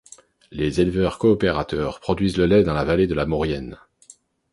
Les éleveurs-coopérateurs produisent le lait dans la vallée de la Maurienne.